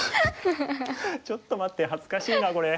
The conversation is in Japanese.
ちょっと待って恥ずかしいなこれ。